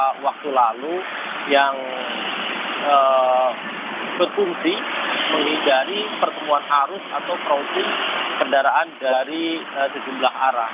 beberapa waktu lalu yang berfungsi menghindari pertemuan arus atau crowsing kendaraan dari sejumlah arah